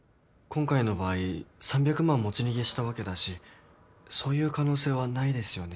今回の場合３００万持ち逃げしたわけだしそういう可能性はないですよね。